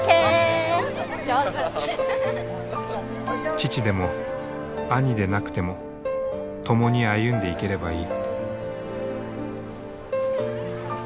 父でも兄でなくても共に歩んでいければいい。